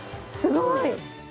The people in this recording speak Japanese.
すごい。